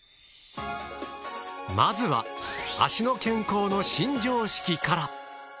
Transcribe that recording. まずは脚の健康の新常識から。